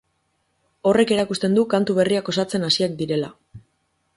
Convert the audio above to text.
Horrek erakusten du kantu berriak osatzen hasiak direla.